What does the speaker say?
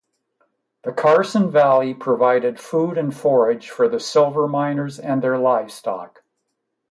The Carson Valley provided food and forage for the silver miners and their livestock.